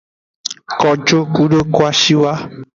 Kojo kudo kwashiwa.